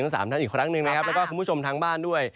สามท่านอีกครั้งหนึ่งนะครับแล้วก็คุณผู้ชมทางบ้านด้วย